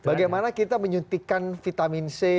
bagaimana kita menyuntikkan vitamin c